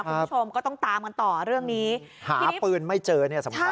คุณผู้ชมก็ต้องตามกันต่อเรื่องนี้หาปืนไม่เจอเนี่ยสำคัญ